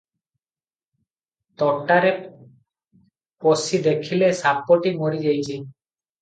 ତୋଟାରେ ପଶି ଦେଖିଲେ ସାପଟି ମରି ଯାଇଛି ।